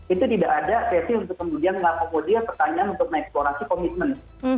itu tidak ada sesi untuk kemudian mengakomodir pertanyaan untuk mengeksplorasi komitmen